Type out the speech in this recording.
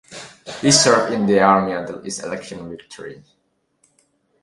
He served in the army until his election victory.